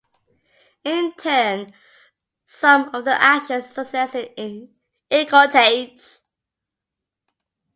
In turn, some of the actions suggested in Ecotage!